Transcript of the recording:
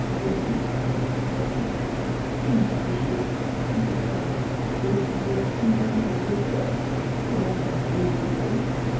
"We?" questioned Tarzan. "Yes, m'sieur," she responded; "they will kill me as well. Have I not aided you?"